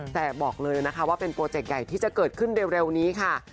แต่บอกเลยนะคะว่าเป็นโปรเจกต์ใหญ่ที่จะเกิดขึ้นเร็วนี้ค่ะ